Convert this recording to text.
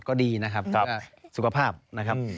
ก็ดีนะครับเพื่อสุขภาพนะครับ